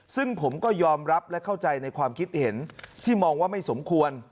ซึ่งผมก็ยอมรับและเข้าใจในความคิดเห็นที่มองว่าไม่สมควร